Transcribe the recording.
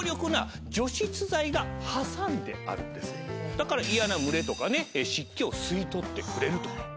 だから嫌な蒸れとかね湿気を吸い取ってくれると。